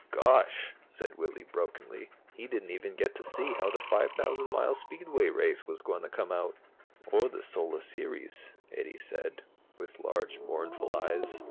'" "Gosh," said Willy brokenly, "he didn't even get to see how the 5000 mile Speedway Race was going to come out." "Or the Solar Series," Eddie said, with large mournful eyes.